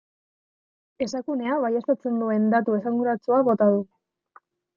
Esakunea baieztatzen duen datu esanguratsua bota du.